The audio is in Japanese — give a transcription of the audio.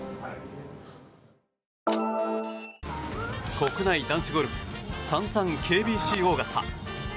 国内男子ゴルフＳａｎｓａｎＫＢＣオーガスタ